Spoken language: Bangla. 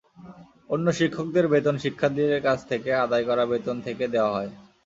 অন্য শিক্ষকদের বেতন শিক্ষার্থীদের কাছ থেকে আদায় করা বেতন থেকে দেওয়া হয়।